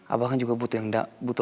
abah kan juga butuh